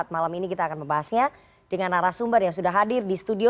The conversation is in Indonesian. malam ini kita akan membahasnya dengan arah sumber yang sudah hadir di studio